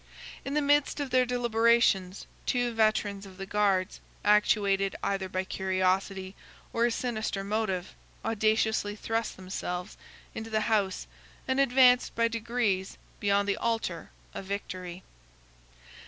In the midst of their deliberations, two veterans of the guards, actuated either by curiosity or a sinister motive, audaciously thrust themselves into the house, and advanced by degrees beyond the altar of Victory.